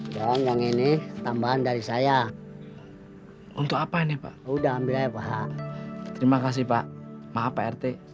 dong yang ini tambahan dari saya untuk apa ini pak udah ambil air pak terima kasih pak maaf pak rt